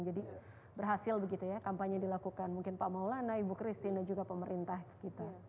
berhasil begitu ya kampanye dilakukan mungkin pak maulana ibu christine dan juga pemerintah kita